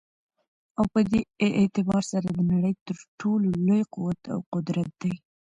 او په دي اعتبار سره دنړۍ تر ټولو لوى قوت او قدرت دى